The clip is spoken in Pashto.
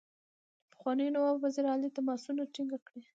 پخواني نواب وزیر علي تماسونه ټینګ کړي.